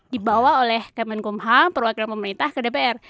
dibawa oleh kemenkumham perwakilan pemerintah ke dpr